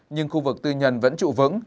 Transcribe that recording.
nhưng khu vực tư nhân vẫn trụ vững